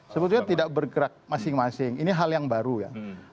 sebetulnya tidak bergerak masing masing ini hal yang baru ya